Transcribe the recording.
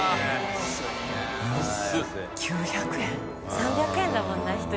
３００円だもんな１人。